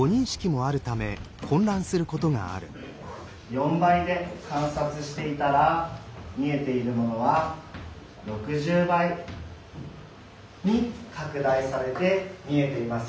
４倍で観察していたら見えているものは６０倍に拡大されて見えています